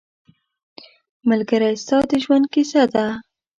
ملګری ستا د ژوند کیسه ده